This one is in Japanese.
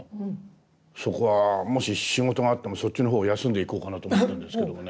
そこはもし仕事があってもそっちのほうを休んで行こうかなと思ってるんですけどもね。